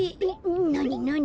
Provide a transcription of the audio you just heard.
なになに？